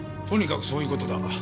とにかくそういう事だ。